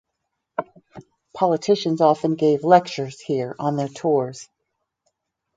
Politicians often gave lectures here on their tours.